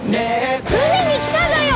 海に来たぞよ！